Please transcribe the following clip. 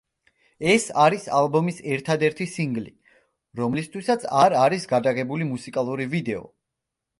ეს არის ალბომის ერთადერთი სინგლი, რომლისთვისაც არ არის გადაღებული მუსიკალური ვიდეო.